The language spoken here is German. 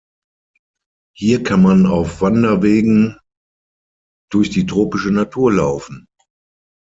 Hier kann man auf Wanderwegen durch die tropische Natur laufen.